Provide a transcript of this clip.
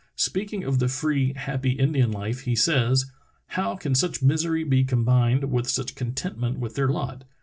Speaking of the free, happy Indian life he says: "How can such misery be combined with such contentment with their lot?